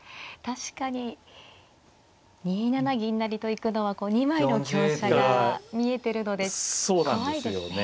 確かに２七銀成と行くのは２枚の香車が見えてるので怖いですね。